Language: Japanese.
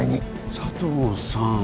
佐藤さん